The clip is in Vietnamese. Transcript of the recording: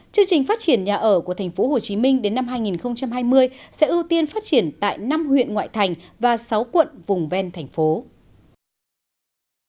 chương trình phát triển nhà ở của tp hcm đến năm hai nghìn hai mươi sẽ ưu tiên phát triển tại năm huyện ngoại thành và sáu quận vùng ven thành phố